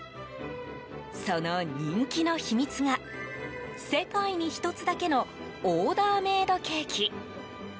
その人気の秘密が世界に一つだけのオーダーメイドケーキ。